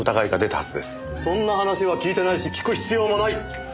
そんな話は聞いてないし聞く必要もない。